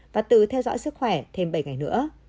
và từ theo dõi sức khỏe thêm bảy ngày nữa